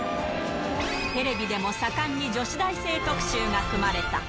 テレビでも盛んに女子大生特集が組まれた。